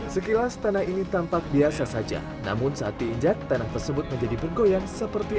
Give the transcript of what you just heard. sekilas tanah ini tampak biasa saja namun saat diinjak tanah tersebut menjadi bergoyang seperti